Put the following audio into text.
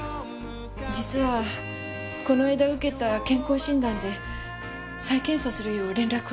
実はこの間受けた健康診断で再検査するよう連絡を受けて。